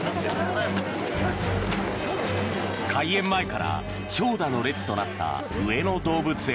開園前から長蛇の列となった上野動物園。